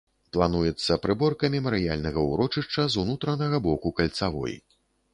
Плануецца прыборка мемарыяльнага ўрочышча з унутранага боку кальцавой.